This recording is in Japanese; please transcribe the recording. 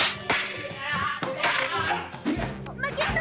負けるな！